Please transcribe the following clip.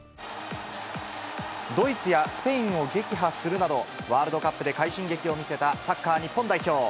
ドイツやスペインを撃破するなど、ワールドカップで快進撃を見せたサッカー日本代表。